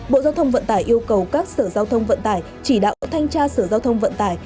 bộ giao thông vận tải yêu cầu các sở giao thông vận tải chỉ đạo thanh tra sở giao thông vận tải